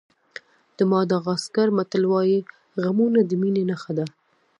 د ماداغاسکر متل وایي غمونه د مینې نښه ده.